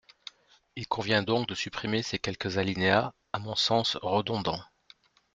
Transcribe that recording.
Il convient donc de supprimer ces quelques alinéas, à mon sens redondants.